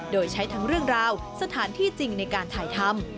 โดยใช้ทั้งเรื่องราวสถานที่จริงในการถ่ายทำ